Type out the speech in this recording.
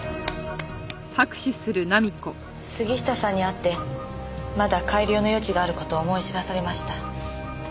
杉下さんに会ってまだ改良の余地がある事を思い知らされました。